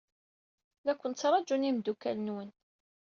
La ken-ttṛaǧun imeddukal-nwen.